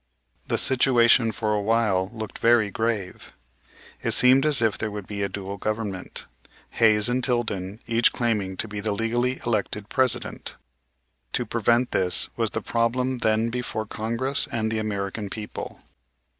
The situation for a while looked very grave. It seemed as if there would be a dual government, Hayes and Tilden each claiming to be the legally elected President. To prevent this was the problem then before Congress and the American people.